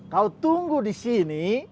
kau tunggu di sini